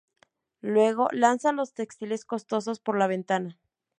Luego, lanza los textiles costosos por la ventana.